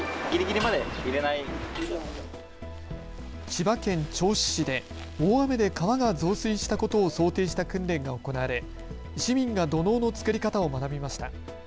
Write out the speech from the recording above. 千葉県銚子市で大雨で川が増水したことを想定した訓練が行われ市民が土のうの作り方を学びました。